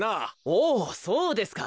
おおそうですか。